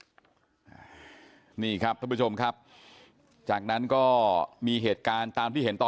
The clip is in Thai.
คือเหมือนกับเป็นห่วงเป็นห่วงว่าเพื่อนจะถูกทำร้ายระหว่างการทำแผน